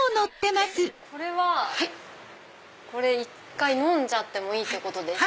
これは１回飲んじゃってもいいってことですか？